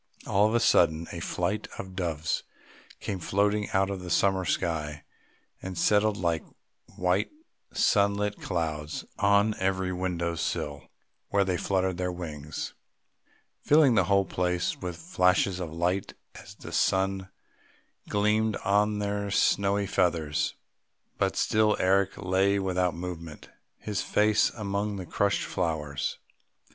All of a sudden a flight of doves came floating out of the summer sky and settled like white sunlit clouds on every window sill, where they fluttered their wings, filling the whole place with flashes of light, as the sun gleamed on their snowy feathers. But still Eric lay without movement, his face among the crushed flowers.